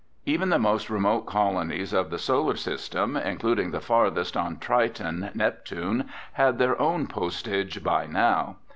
Even the most remote colonies of the Solar System, including the farthest on Triton, Neptune, had their own postage by now.